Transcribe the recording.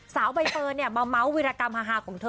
สาวใบเฟิร์นมาเมาส์วิรากรรมฮาของเธอ